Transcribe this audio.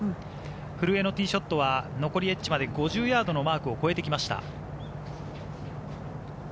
古江のティーショットは残りエッジまで５０ヤードのマークを超えてきました。